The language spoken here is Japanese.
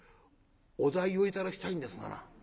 お代を頂きたいんですがな」。